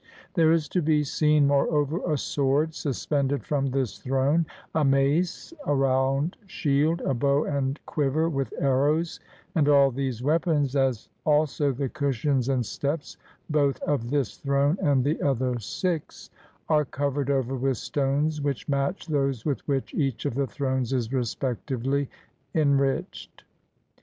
There is to be seen, moreover, a sword suspended from this throne, a mace, a round shield, a bow and quiver with arrows; and all these weapons, as also the cushions and steps, both of this throne and the other six, are covered over with stones which match those with which each of the thrones is respectively enriched.